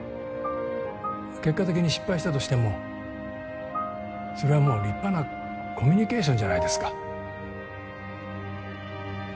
結果的に失敗したとしてもそれはもう立派なコミュニケーションじゃないですか。